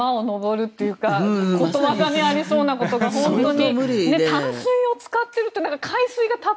船、山を登るというかことわざにありそうなことが本当に。